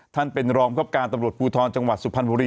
ท่านเป็นรองครับการตำรวจภูทรจังหวัดสุพรรณบุรี